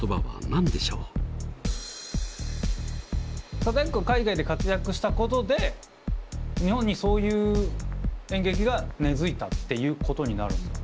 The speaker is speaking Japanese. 貞奴が海外で活躍したことで日本にそういう演劇が根づいたっていうことになるんですよね。